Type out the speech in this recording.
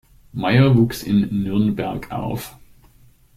Meyer wuchs in Nürnberg auf.